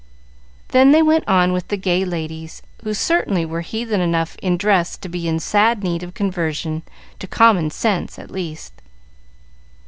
Then they went on with the gay ladies, who certainly were heathen enough in dress to be in sad need of conversion, to common sense at least.